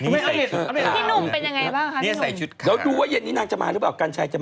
พี่หนูเป็นยังไงบ้างครับ